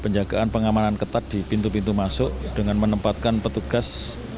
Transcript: penjagaan pengamanan ketat di pintu pintu masuk dengan menempatkan petugas